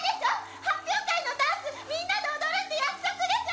発表会のダンスみんなで踊るって約束でしょ！